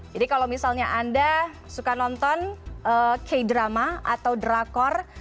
jadi kalau misalnya anda suka nonton k drama atau drakor